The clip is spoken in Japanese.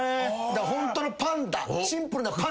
ホントのパンダ。